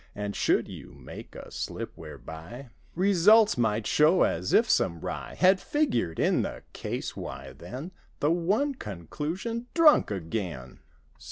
And should you make a slip whereby 88 Results might show as if some rye Had figured in the case, why, then— The one conclusion,—"Drunk again."